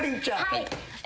はい。